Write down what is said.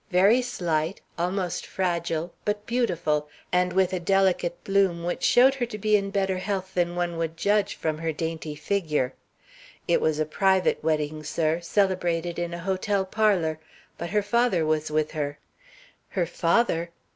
Very slight, almost fragile, but beautiful, and with a delicate bloom which showed her to be in better health than one would judge from her dainty figure. It was a private wedding, sir, celebrated in a hotel parlor; but her father was with her " "Her father?"